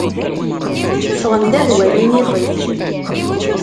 Ffɣen-d ad walin iṭij.